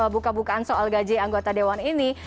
buka bukaan soal gaji anggota dewan ini